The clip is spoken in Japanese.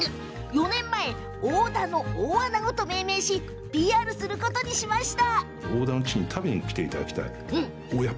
４年前、大田の大あなごと命名しＰＲすることにしました。